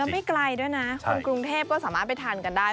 ไม่ไกลด้วยนะคนกรุงเทพก็สามารถไปทานกันได้